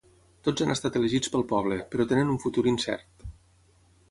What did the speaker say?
Tots han estat elegits pel poble, però tenen un futur incert.